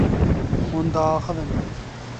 Hûn diaxivin.